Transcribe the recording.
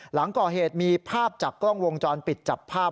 หลังก่อเหตุมีภาพจากกล้องวงจรปิดจับภาพ